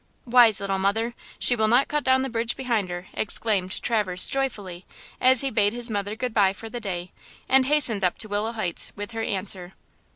"Wise little mother! She will not cut down the bridge behind her!" exclaimed Traverse, joyfully, as he bade his mother good by for the day, and hastened up to Willow Heights with her answer.